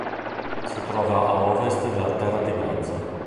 Si trova a ovest della Terra di Mezzo.